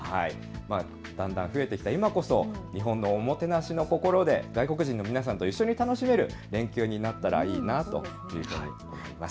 だんだん増えてきた今こそ日本のおもてなしの心で外国人の皆さんと一緒に楽しめる連休になったらいいなというふうに思います。